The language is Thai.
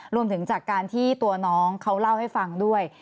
รวมถึงจากการที่ตัวน้องเขาเล่าให้ฟังด้วย